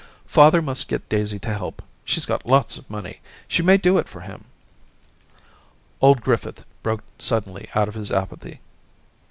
* Father must get Daisy to help ; she's got lots of money. She may do it for him.' Old Griffith broke suddenly out of his apathy.